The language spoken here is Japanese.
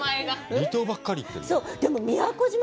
離島ばっかり行ってる？